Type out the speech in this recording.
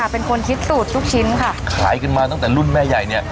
เป็นคนคิดสูตรลูกชิ้นค่ะขายกันมาตั้งแต่รุ่นแม่ใหญ่เนี่ย